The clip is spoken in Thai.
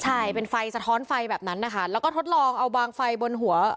ใช่เป็นไฟสะท้อนไฟแบบนั้นนะคะแล้วก็ทดลองเอาบางไฟบนหัว